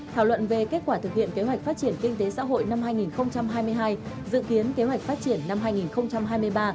thảo luận về kết quả thực hiện kế hoạch phát triển kinh tế xã hội năm hai nghìn hai mươi hai dự kiến kế hoạch phát triển năm hai nghìn hai mươi ba